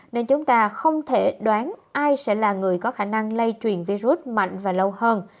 nên chúng ta không thể đoán ai sẽ là người có khả năng lây truyền virus mạnh và lâu hơn